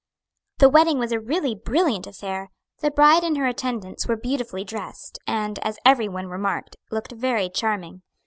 The wedding was a really brilliant affair. The bride and her attendants were beautifully dressed and, as every one remarked, looked very charming.